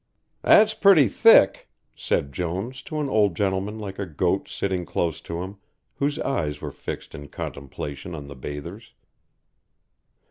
"That's pretty thick," said Jones to an old gentleman like a goat sitting close to him, whose eyes were fixed in contemplation on the bathers.